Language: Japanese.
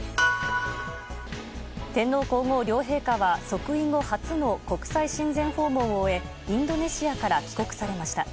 天皇・皇后両陛下は即位後初の国際親善訪問を終えインドネシアから帰国されました。